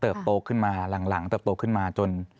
โตขึ้นมาหลังเติบโตขึ้นมาจน